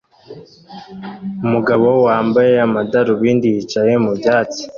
Umugabo wambaye amadarubindi yicaye mu byatsi